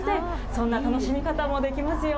そんな楽しみ方もできますよ。